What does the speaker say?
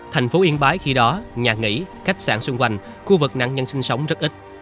thành phố yên bái khi đó nhà nghỉ khách sạn xung quanh khu vực nạn nhân sinh sống rất ít